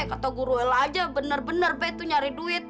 kata guru ella aja bener bener be tuh nyari duit